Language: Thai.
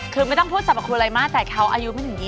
คือไม่ต้องพูดสรรพคุณอะไรมากแต่เขาอายุไม่ถึง๒๐